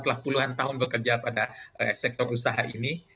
telah puluhan tahun bekerja pada sektor usaha ini